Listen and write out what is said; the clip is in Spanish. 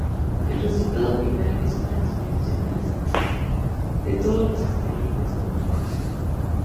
El resultado final es una disminución de la síntesis de todos los esteroides ováricos.